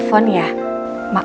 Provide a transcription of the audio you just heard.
along di jam sepuluh